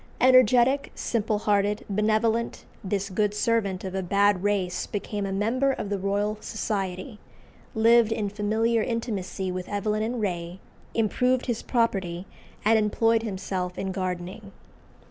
Energetic, simple hearted, benevolent, this good servant of a bad race became a member of the Royal Society, lived in familiar intimacy with Evelyn and Ray, improved his property, and employed himself in gardening.